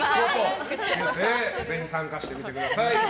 ぜひ参加してみてください。